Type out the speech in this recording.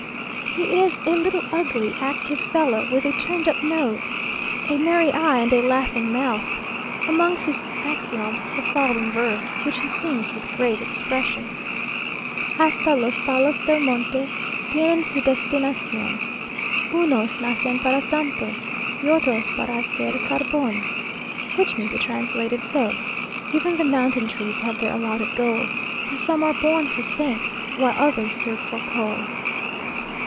He is a little ugly, active fellow, with a turned up nose, a merry eye, and a laughing mouth. Amongst his axioms is the following verse, which he sings with great expression. Hasta los palos del monte Tienen su destinacion Unos nacen para santos Y otros para hacer carbon. which may be translated so: Even the mountain trees Have their allotted goal, For some are born for saints Whilst others serve for coal.